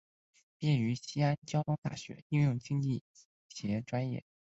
毕业于西安交通大学应用经济学专业。